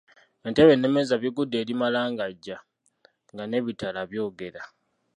Entebe n'emmeeza bigudde eri magalangajja, nga n'ebitala byogera.